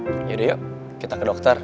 yaudah yuk kita ke dokter